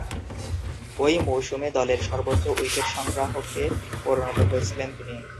ঐ মৌসুমে দলের সর্বোচ্চ উইকেট সংগ্রাহকে পরিণত হয়েছিলেন তিনি।